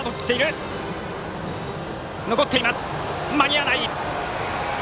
間に合わない！